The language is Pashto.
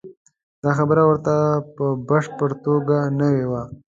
دا خبره ورته په بشپړه توګه نوې وه.